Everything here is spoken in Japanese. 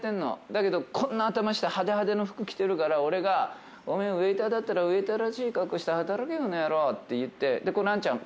だけどこんな頭して派手派手の服着てるから俺が「お前ウエーターだったらウエーターらしい格好して働けこの野郎」って言ってこの兄ちゃん